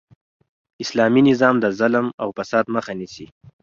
اسلامي نظام د ظلم او فساد مخ نیسي.